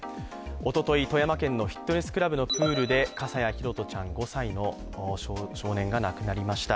おととい、富山県のフィットネスクラブのプールで笠谷拓杜ちゃん５歳の少年が亡くなりました。